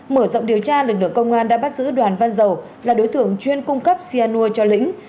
mở rộng điều tra lực lượng công an đã bắt giữ đoàn văn dầu là đối tượng chuyên cung cấp cyanur cho lĩnh